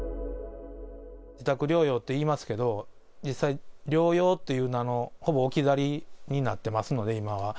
自宅療養っていいますけれども、実際、療養という名の、ほぼ置き去りになってますので、今は。